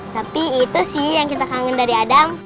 tapi itu sih yang kita kangen dari adam